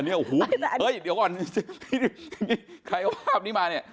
อันนี้โอ้โหเฮ้ยเดี๋ยวก่อนใครเอาภาพนี้มาเนี่ย